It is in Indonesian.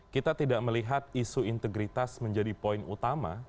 kita tidak melihat isu integritas menjadi poin utama